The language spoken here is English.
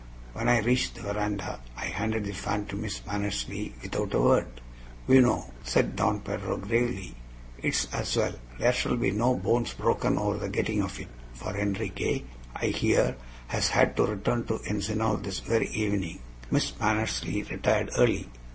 When I reached the veranda, I handed the fan to Miss Mannersley without a word. "BUENO," said Don Pedro, gravely; "it is as well. There shall be no bones broken over the getting of it, for Enriquez, I hear, has had to return to the Encinal this very evening." Miss Mannersley retired early.